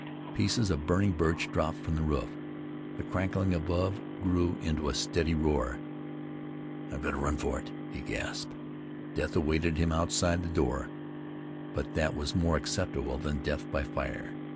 Pieces of burning birch dropped from the roof. The crackling above grew into a steady roar. "I've got to run for it," he gasped. Death awaited him outside the door, but that was more acceptable than death by fire.